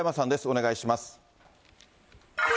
お願いします。